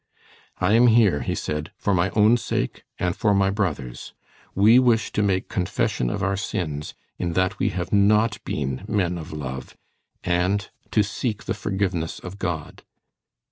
"I am here," he said, "for my own sake and for my brother's. We wish to make confession of our sins, in that we have not been men of love, and to seek the forgiveness of God."